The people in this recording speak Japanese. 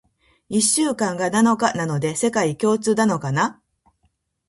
一週間が七日なのって、世界共通なのかな？